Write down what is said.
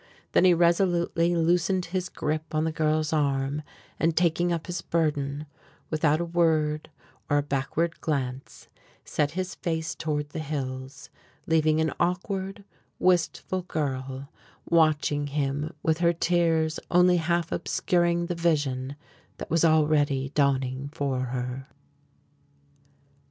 Then he resolutely loosened his grip on the girl's arm and taking up his burden, without a word or a backward glance, set his face toward the hills, leaving an awkward, wistful girl watching him with her tears only half obscuring the vision that was already dawning for her.